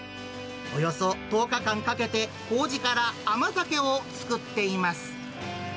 およそ１０日間かけて、こうじから甘酒を作っています。